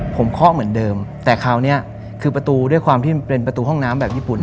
ผมเคาะเหมือนเดิมแต่คราวนี้คือประตูด้วยความที่มันเป็นประตูห้องน้ำแบบญี่ปุ่น